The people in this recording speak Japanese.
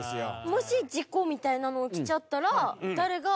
もし事故みたいなのが起きちゃったら、誰が。